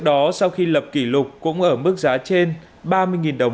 đó sau khi lập kỷ lục của các nhà máy chế biến cá cha các nhà máy chế biến cá cha đã tăng